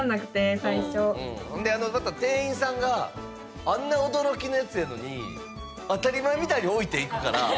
また店員さんがあんな驚きのやつやのに当たり前みたいに置いていくから。